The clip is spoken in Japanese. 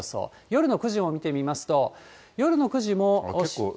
夜の９時も見てみますと、夜の９時も。